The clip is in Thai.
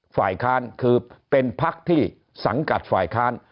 ฝ่ายค้านคือเป็นพักที่สังกัดฝ่ายค้าน